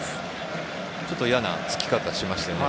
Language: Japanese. ちょっと嫌なつきかたしましたよね。